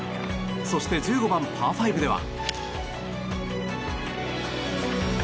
そして１５番、パー５では。